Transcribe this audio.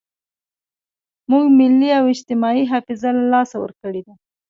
موږ ملي او اجتماعي حافظه له لاسه ورکړې ده.